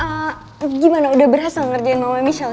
mami gimana gimana udah berhasil ngerjain mama michelle